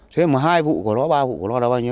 thế mà hai vụ của nó ba vụ của nó là bao nhiêu